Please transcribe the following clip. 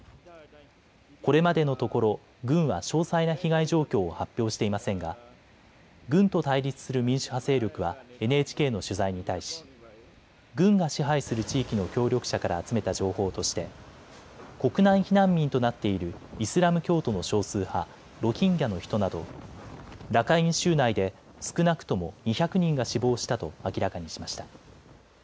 これまでのところ軍は詳細な被害状況を発表していませんが軍と対立する民主派勢力はＮＨＫの取材に対し、軍が支配する地域の協力者から集めた情報として国内避難民となっているイスラム教徒の少数派、ロヒンギャの人などラカイン州内で少なくとも２００人が死亡したと明らかにしました。